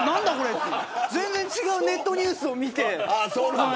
全然違うネットニュースを見て。